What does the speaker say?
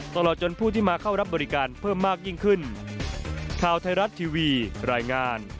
ตลอดจนผู้ที่มาเข้ารับบริการเพิ่มมากยิ่งขึ้น